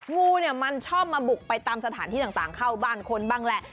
งูเนี่ยมันชอบมาบุกไปตามสถานที่ต่างเข้าบ้านคนบ้างแหละ